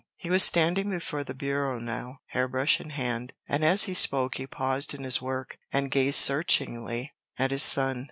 He was standing before the bureau now, hairbrush in hand, and as he spoke he paused in his work, and gazed searchingly at his son.